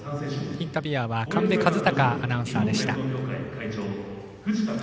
インタビュアーは神戸和貴アナウンサーでした。